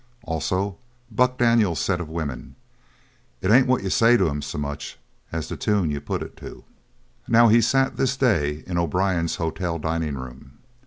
Also Buck Daniels said of women: "It ain't what you say to 'em so much as the tune you put it to." Now he sat this day in O'Brien's hotel dining room.